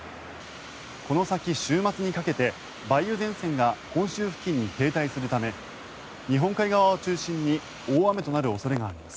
この先週末にかけて梅雨前線が本州付近に停滞するため日本海側を中心に大雨となる恐れがあります。